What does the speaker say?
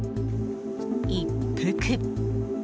一服。